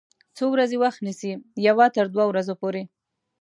څو ورځې وخت نیسي؟ یوه تر دوه ورځو پوری